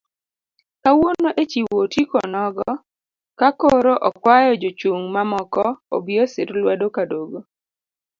Kawuono echiwo otiko onogo kakoro okwayo jochung' mamoko obi osir lwedo Kadogo.